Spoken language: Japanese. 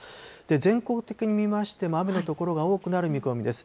全国的に見ましても、雨の所が多くなる見込みです。